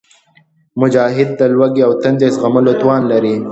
مجاهد د لوږې او تندې زغملو توان لري.